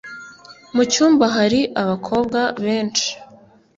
Mucyumba hari abakobwa benshi.